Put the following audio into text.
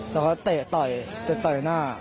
แล้วเขาเตะต่อยต่อยหน้า